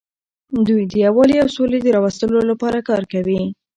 دوی د یووالي او سولې د راوستلو لپاره کار کوي.